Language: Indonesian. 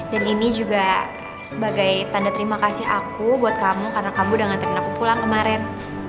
dan ini juga sebagai tanda terima kasih aku buat kamu karena kamu udah nganterin aku pulang kemaren